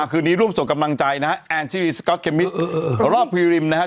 คืนนี้ร่วมส่งกำลังใจนะฮะแอนชิลีสก๊อตเคมิสรอบพีริมนะครับ